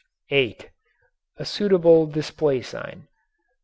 (8) A suitable display sign.